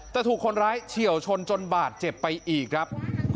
แต่ถูกคนร้ายเฉียวชนจนบาดเจ็บไปอีกครับ